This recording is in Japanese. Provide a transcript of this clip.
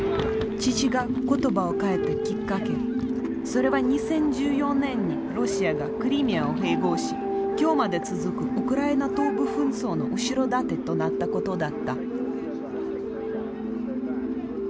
それは２０１４年にロシアがクリミアを併合し今日まで続くウクライナ東部紛争の後ろ盾となったことだった。